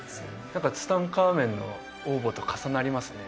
何かツタンカーメンの王墓と重なりますね